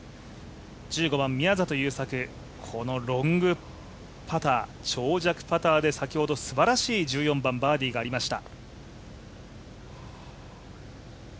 １５番、宮里優作、このロングパター、長尺パターで先ほどすばらしい１４番バーディーがありました。